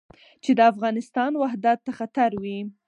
چې د افغانستان وحدت ته خطر وي.